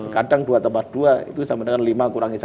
kadang dua tambah dua itu sama dengan lima kurangi satu